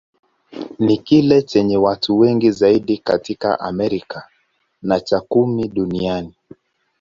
Ni kile chenye watu wengi zaidi katika Amerika, na cha kumi duniani.